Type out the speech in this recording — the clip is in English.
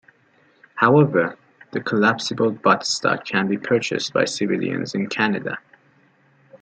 However, the collapsible butt stock can be purchased by civilians in Canada.